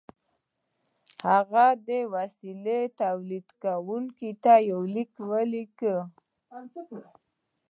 هغه د وسیلې تولیدوونکي ته یو لیک ولیکه